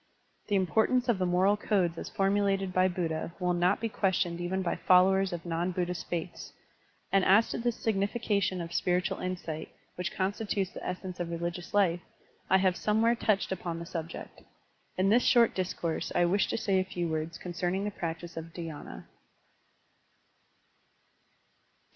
The importance of the moral codes as formulated by Buddha will not be questioned even by followers of non Buddhist faiths, and as to the signification of spiritual insight, which constitutes the essence of religious life, I have somewhere touched upon the subject. In this short discourse I wish to say a few words concerning the practice of dhydna.